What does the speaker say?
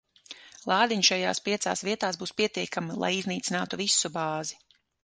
Lādiņi šajās piecās vietās būs pietiekami, lai iznīcinātu visu bāzi.